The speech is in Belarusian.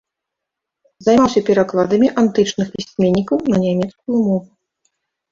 Займаўся перакладамі антычных пісьменнікаў на нямецкую мову.